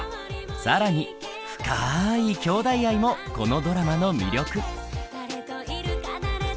更に深いきょうだい愛もこのドラマの魅力。